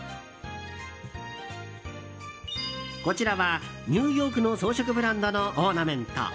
こちらはニューヨークの装飾ブランドのオーナメント。